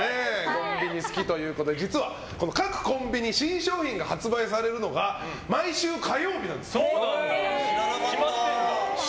コンビニ好きということで実は各コンビニ、新商品が発売されるのが毎週火曜日なんですって。